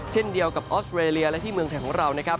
เช่นเดียวกับออสเตรเลียและที่เมืองไทยของเรานะครับ